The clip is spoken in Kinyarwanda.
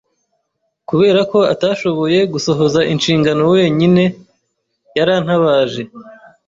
Kubera ko atashoboye gusohoza inshingano wenyine, yarantabaje.